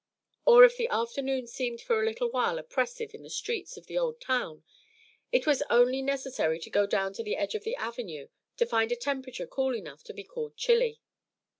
Or if the afternoon seemed for a little while oppressive in the streets of the old town, it was only necessary to go down to the end of the Avenue to find a temperature cool enough to be called chilly.